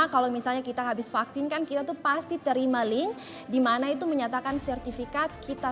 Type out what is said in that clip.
kalau misalnya kita habis vaksin kan kita tuh pasti terima link dimana itu menyatakan sertifikat kita